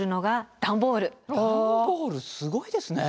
段ボールすごいですね。